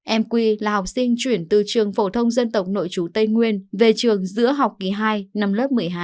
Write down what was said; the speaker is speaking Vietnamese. em quy là học sinh chuyển từ trường phổ thông dân tộc nội chú tây nguyên về trường giữa học kỳ hai năm lớp một mươi hai